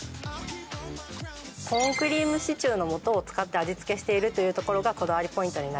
コーンクリームシチューの素を使って味つけしているというところがこだわりポイントになります。